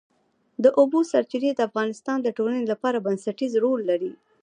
د اوبو سرچینې د افغانستان د ټولنې لپاره بنسټيز رول لري.